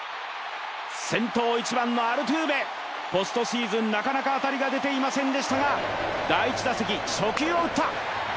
先頭１番のアルテューベポストシーズン、なかなか当たりが出ていませんでしたが第１打席、初球を打った。